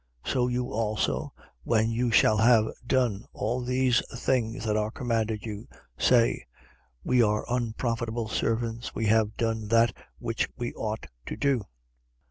So you also, when you shall have done all these things that are commanded you, say: We are unprofitable servants; we have done that which we ought to do.